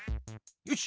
よし。